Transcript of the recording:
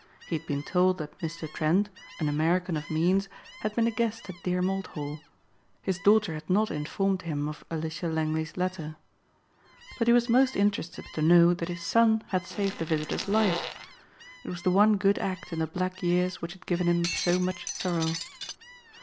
He had been told that Mr. Trent, an American of means, had been a guest at Dereham Old Hall. His daughter had not informed him of Alicia Langley's letter. But he was most interested to know that his son had saved the visitor's life. It was the one good act in the black years which had given him so much sorrow.